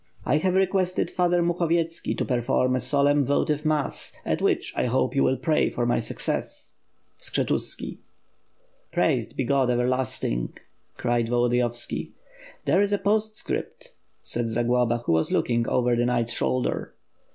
I have requested Father Mukhovietski to perform a solemn votive mass, at which I hope you will pray for my success." Skshetuski.'' "Praised be God Everlasting,'' cried Volodiyovski. "There is a postscript," said Zagloba, who was looking over the knight's shoulder.